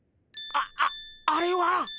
ああれは。